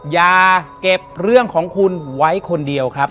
อย่าเก็บเรื่องของคุณไว้คนเดียวครับ